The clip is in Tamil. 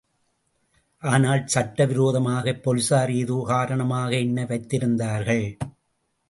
ஆனால் சட்ட விரோதமாகப் போலீசார் ஏதோ காரணமாக என்னை வைத்திருந்தார்கள்.